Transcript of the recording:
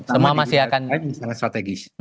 pertama diberi kata lain sangat strategis